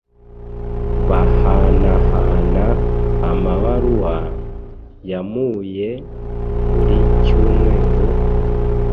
Bahanahana amabaruwa, yamuuye buri cyumweru,